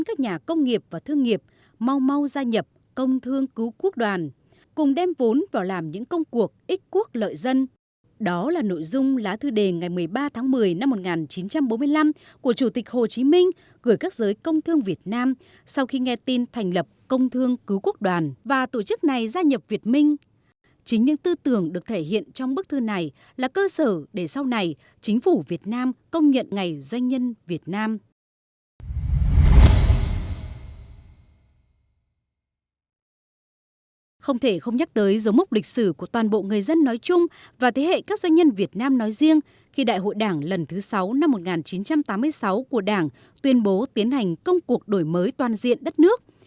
không thể không nhắc tới dấu mốc lịch sử của toàn bộ người dân nói chung và thế hệ các doanh nhân việt nam nói riêng khi đại hội đảng lần thứ sáu năm một nghìn chín trăm tám mươi sáu của đảng tuyên bố tiến hành công cuộc đổi mới toàn diện đất nước